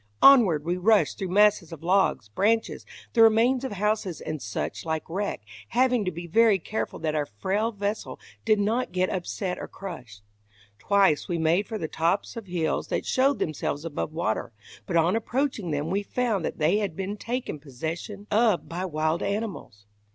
Onward we rushed through masses of logs, branches, the remains of houses, and such like wreck, having to be very careful that our frail vessel did not get upset or crushed. Twice we made for the tops of hills that showed themselves above water, but on approaching them we found that they had been taken possession of by wild animals.